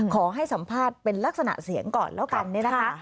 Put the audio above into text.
ขอให้สัมภาษณ์เป็นลักษณะเสียงก่อนแล้วกันเนี่ยนะคะ